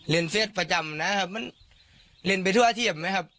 เฟสประจำนะครับมันเรียนไปทั่วอาเทียมไหมครับ